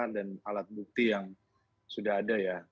dan alat bukti yang sudah ada ya